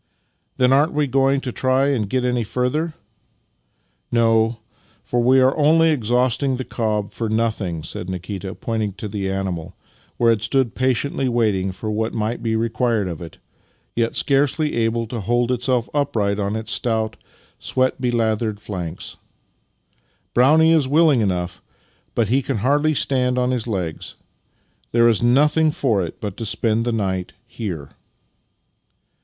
" Then aren't we going to try and get any further? "" No, for we are only exhausting the cob for nothing," said Nikita, pointing to the animal where it stood patiently waiting for what might be re quired of it, yet scarcely able to hold itself upright on its stout, sweat belathered flanks. "Brownie is willing enough, but he can hardly stand on his legs. There is nothing for it but to spend the night here."